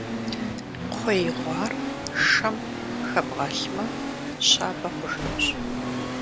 Кхъуей гъуар шэм хэбгъэлъмэ, щабэ хъужынущ.